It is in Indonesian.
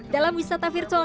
dalam wisata virtual